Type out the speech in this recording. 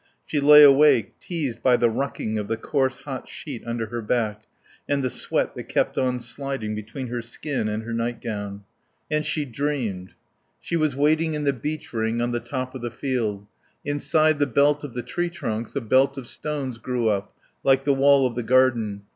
She lay awake, teased by the rucking of the coarse hot sheet under her back, and the sweat that kept on sliding between her skin and her night gown. And she dreamed. She was waiting in the beech ring on the top of the field. Inside the belt of the tree trunks a belt of stones grew up, like the wall of the garden.